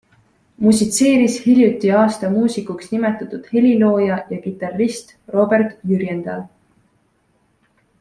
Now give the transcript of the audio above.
Musitseeris hiljuti aasta muusikuks nimetatud helilooja ja kitarrist Robert Jürjendal.